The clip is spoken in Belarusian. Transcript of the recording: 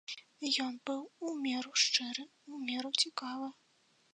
Ён быў у меру шчыры, у меру цікавы.